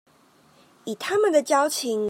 以他們的交情